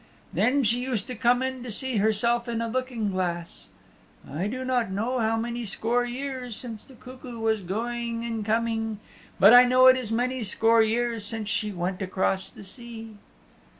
Then she used to come in to see herself in a looking glass. I do not know how many score years the cuckoo was going and coming, but I know it is many score years since she went across the sea."